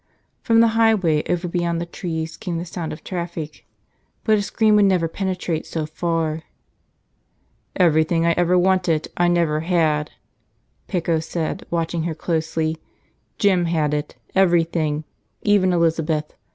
From the highway over beyond the trees came the sound of traffic. But a scream would never penetrate so far. "Everything I ever wanted, I never had," Pico said, watching her closely. "Jim had it. Everything. Even Elizabeth.